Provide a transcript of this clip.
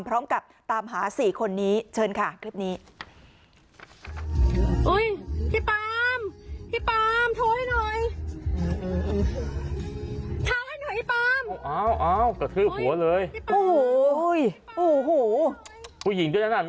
พร้อมกับตามหา๔คนนี้เชิญค่ะคลิปนี้